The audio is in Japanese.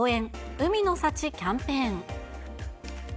海の幸キャンペーン。